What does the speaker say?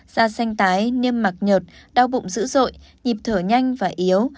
da xanh tái niêm mạc nhợt đau bụng dữ dội nhịp thở nhanh và yếu